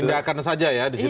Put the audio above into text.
ini diakan saja ya di situ